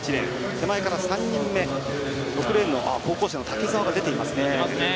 手前から３人目６レーン、高校生の竹澤が出ていますね。